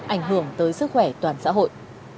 ảnh hưởng tới sức khỏe toàn xã hội